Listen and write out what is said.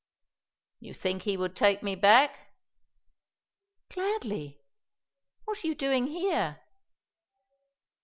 "You think he would take me back?" "Gladly. What are you doing here?"